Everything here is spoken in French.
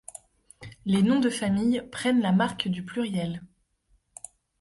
Les noms de famille prennent la marque du pluriel.